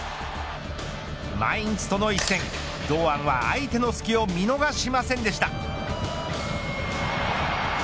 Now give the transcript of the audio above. マインツとの一戦、堂安は相手の隙を見逃しませんでした。